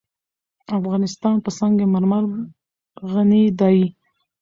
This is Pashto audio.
افغانستان په سنگ مرمر غني دی.